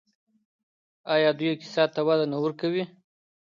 آیا دوی اقتصاد ته وده نه ورکوي؟